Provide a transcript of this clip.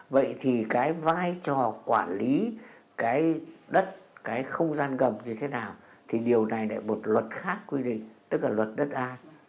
vậy thì cái vai trò quản lý cái đất cái không gian ngầm như thế nào thì điều này lại một luật khác quy định tức là luật đất đai